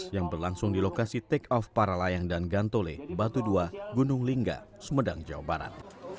yang berlangsung di lokasi take off para layang dan gantole batu dua gunung lingga sumedang jawa barat